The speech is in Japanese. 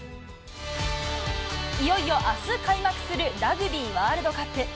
いよいよあす開幕するラグビーワールドカップ。